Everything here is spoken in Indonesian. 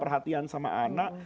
perhatian sama anak